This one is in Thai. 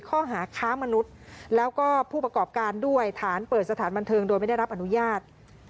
ข้อหาค้ามนุษย์แล้วก็ผู้ประกอบการด้วยฐานเปิดสถานบันเทิงโดยไม่ได้รับอนุญาต